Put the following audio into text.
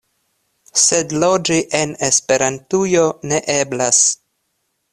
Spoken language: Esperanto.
Sed loĝi en Esperantujo ne eblas.